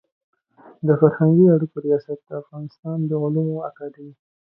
د فرهنګي اړیکو ریاست د افغانستان د علومو اکاډمي